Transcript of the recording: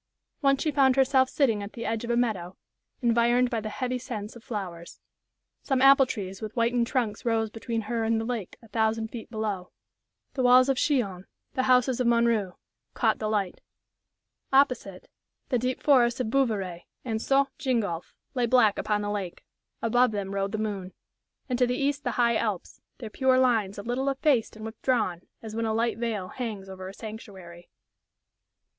Once she found herself sitting at the edge of a meadow, environed by the heavy scents of flowers. Some apple trees with whitened trunks rose between her and the lake a thousand feet below. The walls of Chillon, the houses of Montreux, caught the light; opposite, the deep forests of Bouveret and St. Gingolphe lay black upon the lake; above them rode the moon. And to the east the high Alps, their pure lines a little effaced and withdrawn, as when a light veil hangs over a sanctuary.